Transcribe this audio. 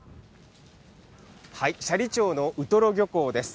斜里町のウトロ漁港です。